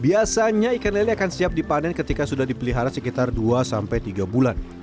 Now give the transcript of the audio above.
biasanya ikan lele akan siap dipanen ketika sudah dipelihara sekitar dua sampai tiga bulan